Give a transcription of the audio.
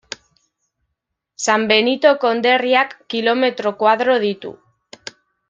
San Benito konderriak kilometro koadro ditu.